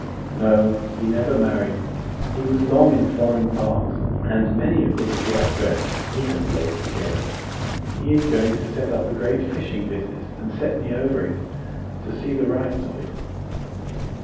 "No, he never married; he was long in foreign parts, and many a good piastre he has laid together. He is going to set up a great fishing business, and set me over it, to see the rights of it."